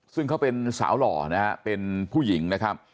ซึ่งเขาเป็นสาวหล่อนะฮะเป็นผู้หญิงนะครับ